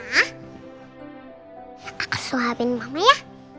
nanti aku suapin mama ya